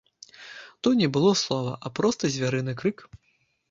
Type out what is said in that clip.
То не было слова, а проста звярыны крык.